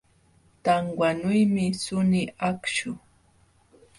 Tanwanuymi suni akshu